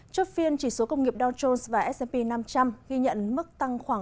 chốt phiên chỉ số công nghiệp dow jones và s p năm trăm linh ghi nhận mức tăng khoảng bốn